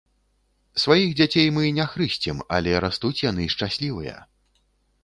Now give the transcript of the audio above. Сваіх дзяцей мы не хрысцім, але растуць яны шчаслівыя.